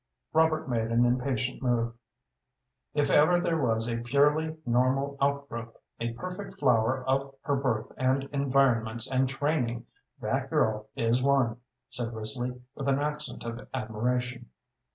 Robert made an impatient move. "If ever there was a purely normal outgrowth, a perfect flower of her birth and environments and training, that girl is one," said Risley, with an accent of admiration.